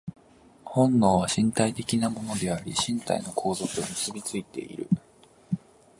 本能は身体的なものであり、身体の構造と結び付いている。